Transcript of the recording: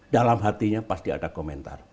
dalam hatinya pasti ada komentar